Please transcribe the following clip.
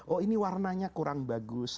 oh ini warnanya kurang bagus